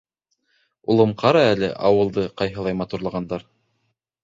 — Улым, ҡара әле, ауылды ҡайһылай матурлағандар!